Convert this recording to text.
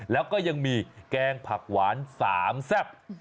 แล้วก็ยังมีแกงผักหวาน๓แซ่บ